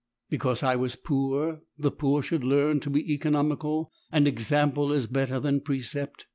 Because I was poor; the poor should learn to be economical, and example is better than precept!